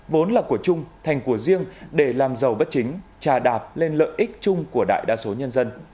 vốn là của chung thành của riêng để làm giàu bất chính trà đạp lên lợi ích chung của đại đa số nhân dân